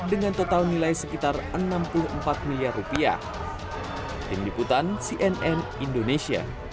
dengan total nilai sekitar rp enam puluh empat miliar